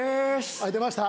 はい出ました。